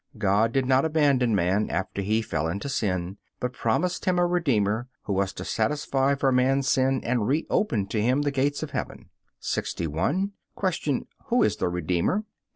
God did not abandon man after he fell into sin, but promised him a Redeemer, who was to satisfy for man's sin and reopen to him the gates of heaven. 61. Q. Who is the Redeemer?